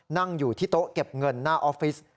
นั่งอยู่ที่โต๊ะเก็บเงินหน้าออฟฟิศ